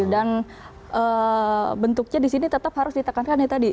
dan bentuknya di sini tetap harus ditekankan ya tadi